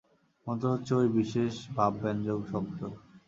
মন্ত্র হচ্ছে ঐ বিশেষ ভাব-ব্যঞ্জক শব্দ।